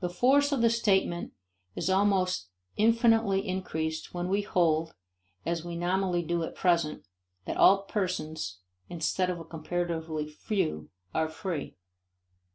The force of the statement is almost infinitely increased when we hold, as we nominally do at present, that all persons, instead of a comparatively few, are free.